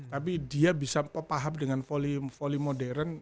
tapi dia bisa kepaham dengan voli modern